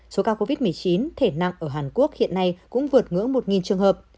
số ca covid một mươi chín thể nặng ở hàn quốc hiện nay cũng vượt ngưỡng một trường hợp